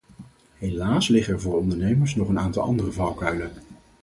Helaas liggen er voor ondernemers nog een aantal andere valkuilen.